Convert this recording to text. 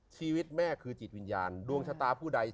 ชีวิตแม่คือจิตวิญญาณดวงชะตาผู้ใด